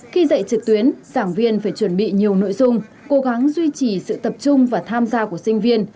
khi dạy trực tuyến giảng viên phải chuẩn bị nhiều nội dung cố gắng duy trì sự tập trung và tham gia của sinh viên